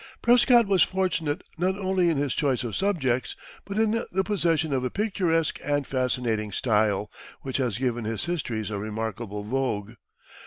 Prescott was fortunate not only in his choice of subjects, but in the possession of a picturesque and fascinating style, which has given his histories a remarkable vogue.